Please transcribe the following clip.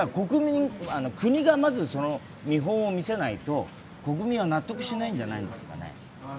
国がまず見本を見せないと国民は納得しないんじゃないですかね。